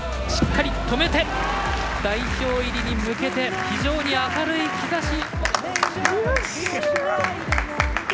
お二方止めて代表入りに向けて非常に明るい兆し。